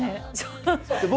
僕